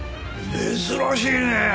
珍しいね！